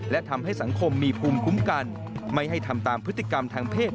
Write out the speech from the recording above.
และทำให้สังคมมีภูมิคุ้มกันไม่ให้ทำตามพฤติกรรมทางเพศ